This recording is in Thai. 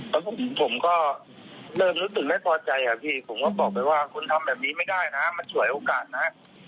แล้วผมก็เริ่มรู้สึกไม่พอใจอ่ะพี่ผมก็บอกไปว่าคุณทำแบบนี้ไม่ได้นะมันฉวยโอกาสนะ